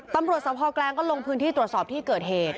ตำรวจสภแกลงก็ลงพื้นที่ตรวจสอบที่เกิดเหตุ